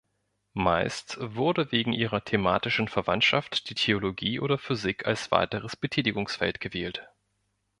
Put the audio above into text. Meist wurde wegen ihrer thematischen Verwandtschaft die Theologie oder Physik als weiteres Betätigungsfeld gewählt.